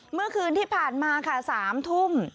เมื่อคืนที่ผ่านมาค่ะ๓ทุ่ม